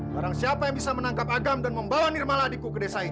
sekarang siapa yang bisa menangkap agam dan membawa nirmala adikku ke desa ini